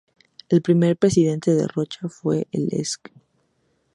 El primer Presidente de Rocha fue el Esc.